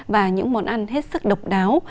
và những món ăn hết sức độc đáo